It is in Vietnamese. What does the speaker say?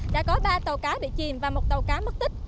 đã có ba tàu cá bị chìm và một tàu cá mất tích